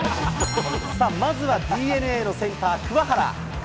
まずはＤｅＮＡのセンター、桑原。